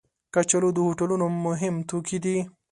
کچالو د هوټلونو مهم توکي دي